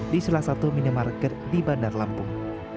di salah satu minimarket di bandar lampung